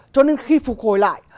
cho nên khi phục hồi lại